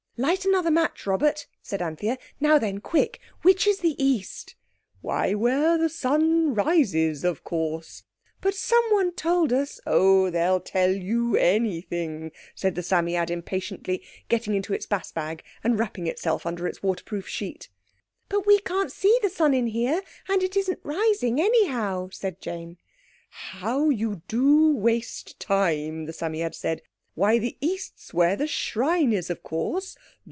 "Light another match, Robert," said Anthea. "Now, then quick! which is the East?" "Why, where the sun rises, of course!" "But someone told us—" "Oh! they'll tell you anything!" said the Psammead impatiently, getting into its bass bag and wrapping itself in its waterproof sheet. "But we can't see the sun in here, and it isn't rising anyhow," said Jane. "How you do waste time!" the Psammead said. "Why, the East's where the shrine is, of course.